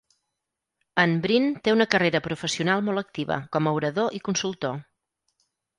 En Brin té una carrera professional molt activa com a orador i consultor.